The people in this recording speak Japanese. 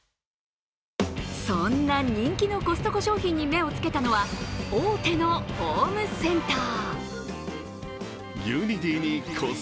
そんな人気のコストコ商品に目をつけたのは、大手のホームセンター。